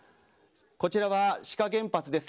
こちらは志賀原発です。